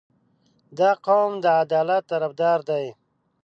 • دا قوم د عدالت طرفدار دی.